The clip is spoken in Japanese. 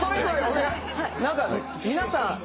何か皆さん